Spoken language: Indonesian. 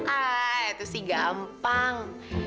ah itu sih gampang